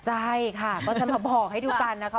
ใช่ค่ะก็จะมาบอกให้ดูกันนะคะ